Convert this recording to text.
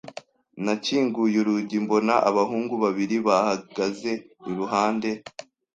Nakinguye urugi mbona abahungu babiri bahagaze iruhande.